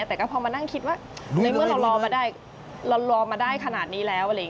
แต่ก็พอมานั่งคิดว่าในเมื่อเรารอมาได้เรารอมาได้ขนาดนี้แล้ว